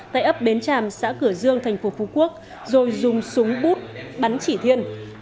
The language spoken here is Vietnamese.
tại ấp bến tràm xã cửa dương thành phố phú quốc rồi dùng súng bút bắn chỉ thiên